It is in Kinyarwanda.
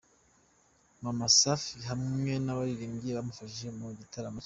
Maman Safi hamwe n'abaririmbyi bamufashije mu gitaramo cye.